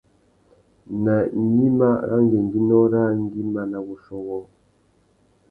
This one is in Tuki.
Nà gnima râ ngüéngüinô râā nguimá na wuchiô wôō ?